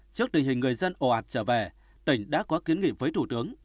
trước tình hình người dân ồ ạt trở về tỉnh đã có kiến nghị với thủ tướng